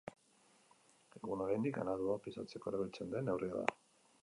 Egun oraindik ganadua pisatzeko erabiltzen den neurria da.